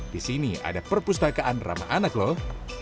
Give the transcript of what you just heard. di sini ada perpustakaan ramah anak loh